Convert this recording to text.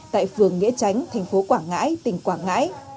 tại phường nghĩa tránh tp quảng ngãi tỉnh quảng ngãi